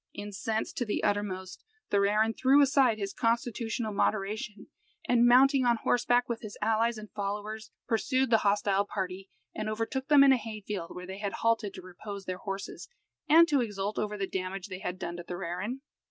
Incensed to the uttermost, Thorarin threw aside his constitutional moderation, and, mounting on horseback, with his allies and followers, pursued the hostile party, and overtook them in a hay field, where they had halted to repose their horses, and to exult over the damage they had done to Thorarin.